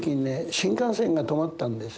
新幹線が止まったんですね。